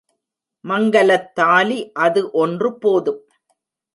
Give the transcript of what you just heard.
மங்கலத்தாலி அது ஒன்று போதும்.